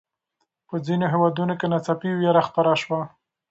په ځینو هېوادونو کې ناڅاپي ویره خپره شوه.